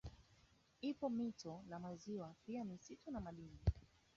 Ipo mito na maziwa pia misitu na madini